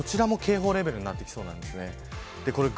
こちらも警報レベルになってきそうです。